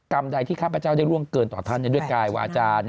กรรมใดที่ข้าพเจ้าได้ร่วงเกินต่อท่านด้วยกายวาจารย์